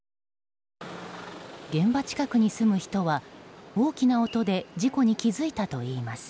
現場近くに住む人は、大きな音で事故に気付いたといいます。